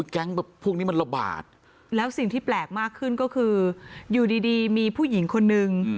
แก๊งแบบพวกนี้มันระบาดแล้วสิ่งที่แปลกมากขึ้นก็คืออยู่ดีดีมีผู้หญิงคนนึง